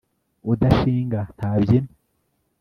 udashinga ntabyina